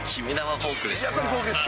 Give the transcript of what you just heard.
フォークですか？